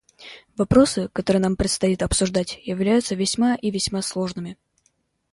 Вопросы, которые нам предстоит обсуждать, являются весьма и весьма сложными.